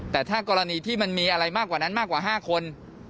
แต่ถ้ากรณีที่มันมีอะไรมากกว่านั้นมากกว่า๕คน